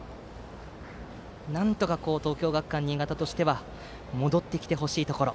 なんとか東京学館新潟としては戻ってきてほしいところ。